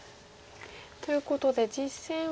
ということで実戦はですね